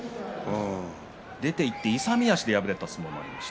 出ていって勇み足で敗れた相撲もありました。